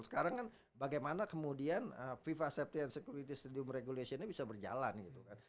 sekarang kan bagaimana kemudian fifa safety and security stadium regulationnya bisa berjalan gitu kan